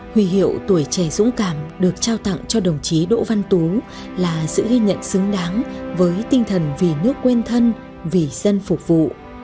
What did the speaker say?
huy hiệu tuổi trẻ dũng cảm được trao tặng cho đồng chí đỗ văn tú là sự ghi nhận xứng đáng với tinh thần vì nước quên thân vì dân phục vụ